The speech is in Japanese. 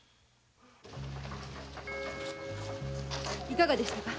いかがでしたか？